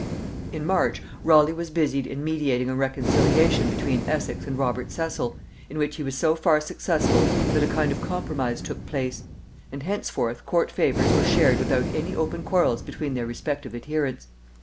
In March, Raleigh was busied in mediating a reconciliation between Essex and Robert Cecil, in which he was so far successful that a kind of compromise took place; and henceforth court favors were shared without any open quarrels between their respective adherents.